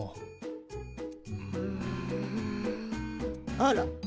あら。